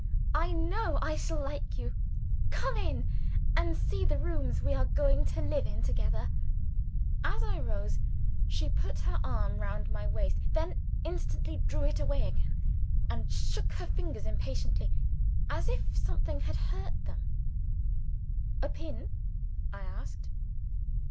I know I shall like you. Come in, and see the rooms we are going to live in together." As I rose, she put her arm round my waist then instantly drew it away again, and shook her fingers impatiently, as if something had hurt them. "A pin?" I asked.